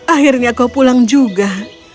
akhirnya kau pulang juga